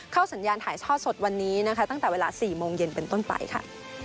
สัญญาณถ่ายทอดสดวันนี้นะคะตั้งแต่เวลา๔โมงเย็นเป็นต้นไปค่ะ